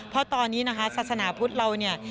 เพราะตอนนี้นะคะศาสนาพุทธเราเนี่ย